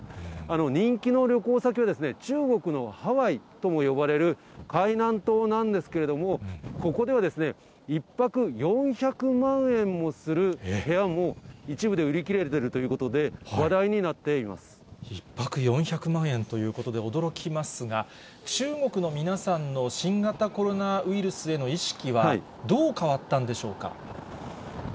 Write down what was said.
人気の旅行先は、中国のハワイとも呼ばれる海南島なんですけれども、ここでは１泊４００万円もする部屋も一部で売り切れているという１泊４００万円ということで、驚きますが、中国の皆さんの新型コロナウイルスへの意識は、どう変わったんでしょうか。